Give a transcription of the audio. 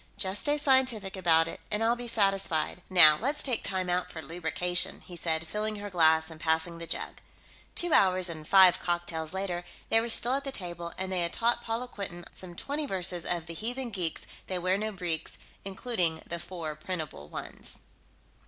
Just stay scientific about it and I'll be satisfied. Now, let's take time out for lubrication," he said, filling her glass and passing the jug. Two hours and five cocktails later, they were still at the table, and they had taught Paula Quinton some twenty verses of The Heathen Geeks, They Wear No Breeks, including the four printable ones.